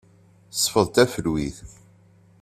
Sfeḍ tafelwit.